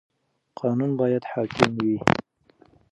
قانون باید حاکم وي.